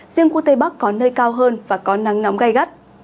riêng khu tây bắc có nơi cao hơn và có nắng nóng gai gắt